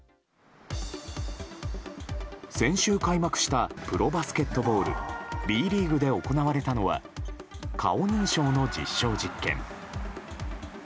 先週開幕したプロバスケットボールＢリーグで行われたのは顔認証の実証実験。